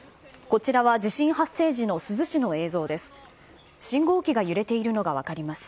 こちらは地震発生時の珠洲市の映像です。